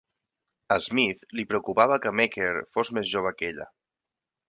A Smith li preocupava que Meeker fos més jove que ella.